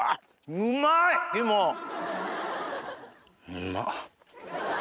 うまっ！